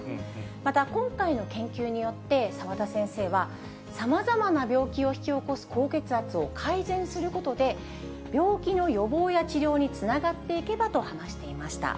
また今回の研究によって、澤田先生は、さまざまな病気を引き起こす高血圧を改善することで、病気の予防や治療につながっていけばと話していました。